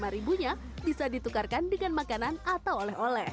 rp lima nya bisa ditukarkan dengan makanan atau oleh oleh